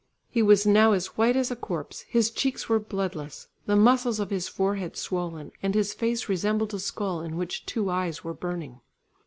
He was now as white as a corpse, his cheeks were bloodless, the muscles of his forehead swollen, and his face resembled a skull in which two eyes were burning.